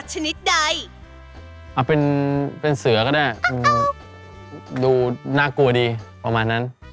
ชนิดใดเป็นเสือก็ได้ดูน่ากลัวดีประมาณนั้น